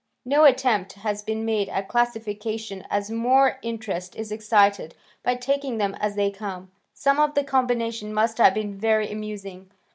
No attempt has been made at classification as more interest is excited by taking them as they come. Some of the combination must have been very amusing.